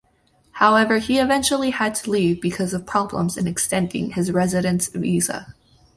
However he eventually had to leave because of problems in extending his residence visa.